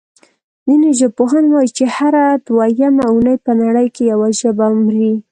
ځینې ژبپوهان وايي چې هره دویمه اوونۍ په نړۍ کې یوه ژبه مري.